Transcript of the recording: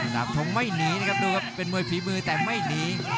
ดาบทงไม่หนีนะครับเป็นมวยภีมือแต่ไม่หนี